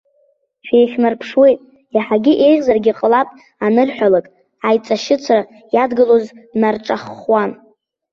Шәеихьнарԥшуеит, иаҳагьы еиӷьзаргьы ҟалап анырҳәалак, аиҵашьыцра иадгылоз днарҿаххуан.